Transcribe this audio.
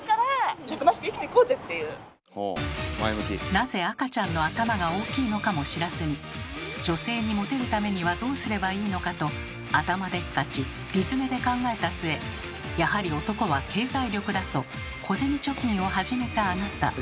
なぜ赤ちゃんの頭が大きいのかも知らずに女性にモテるためにはどうすればいいのかと頭でっかち理詰めで考えた末やはり男は経済力だと小銭貯金を始めたあなた。